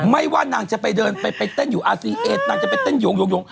ไม่ว่านางจะไปเดินไปเต้นอยู่อาซีเอสนางจะไปเต้นโยง